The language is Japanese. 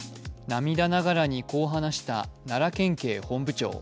涙ながらにこう話した奈良県警本部長。